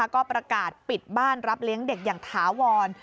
ก็ประกาศปิดบ้านรับเลี้ยงเด็กอย่างถาวร